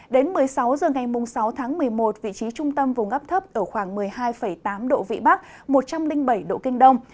đến một mươi sáu h ngày sáu tháng một mươi một vị trí trung tâm vùng áp thấp ở khoảng một mươi hai tám độ vĩ bắc một trăm linh bảy độ kinh đông